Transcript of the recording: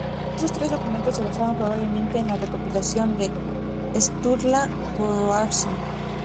Estos tres documentos se basan probablemente en la recopilación de Sturla Þórðarson.